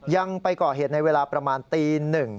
ยังไปก่อเหตุในเวลาประมาณตี๑